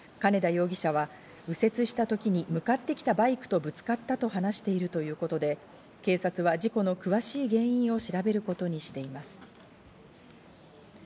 金田容疑者は右折した時に向かってきたバイクとぶつかったと話しているということで警察は事故の詳しい原因を調べることにしています。